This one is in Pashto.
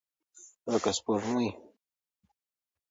لکه سپوږمۍ.